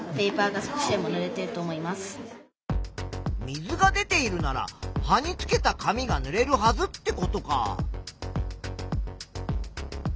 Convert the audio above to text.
水が出ているなら葉につけた紙がぬれるはずってことか。